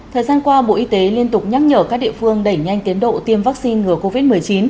thời gian qua bộ y tế liên tục nhắc nhở các địa phương đẩy nhanh tiến độ tiêm vaccine ngừa covid một mươi chín